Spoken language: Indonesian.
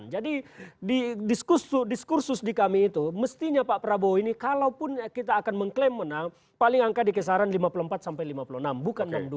jadi di diskusus di kami itu mestinya pak prabowo ini kalaupun kita akan mengklaim menang paling angka di kisaran lima puluh empat sampai lima puluh enam bukan enam puluh dua